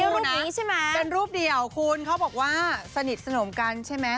รูปนี้ใช่ไหมเป็นรูปเดียวคุณเขาบอกว่าสนิทสนมกันใช่ไหม